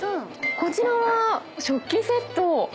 こちらは食器セット。